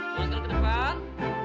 turunkan ke depan